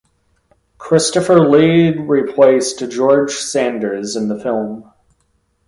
Christopher Lee replaced George Sanders in the film.